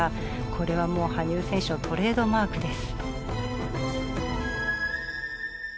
これはもう羽生選手のトレードマークです。